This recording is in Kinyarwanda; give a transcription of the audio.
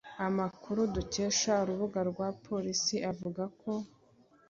Amakuru dukesha urubuga rwa polisi avuga ko